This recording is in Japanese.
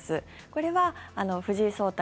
これは藤井聡太